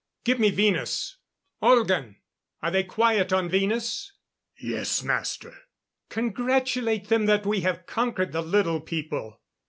Give me Venus. Olgan! Are they quiet on Venus?" "Yes, Master." "Congratulate them that we have conquered the Little People.